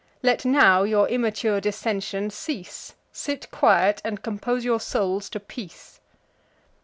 Let now your immature dissension cease; Sit quiet, and compose your souls to peace."